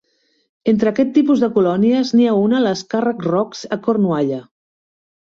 Entre aquest tipus de colònies n'hi ha una a les Carrack rocks a Cornualla.